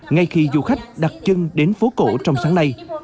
ngay khi du khách đặt chân đến phố cổ trong sáng nay